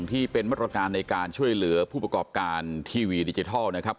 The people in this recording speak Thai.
ที่เป็นมาตรการในการช่วยเหลือผู้ประกอบการทีวีดิจิทัลนะครับ